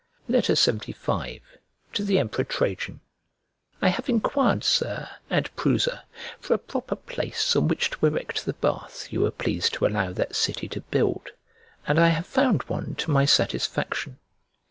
LXXV To THE EMPEROR TRAJAN I HAVE enquired, Sir, at Prusa, for a proper place on which to erect the bath you were pleased to allow that city to build, and I have found one to my satisfaction.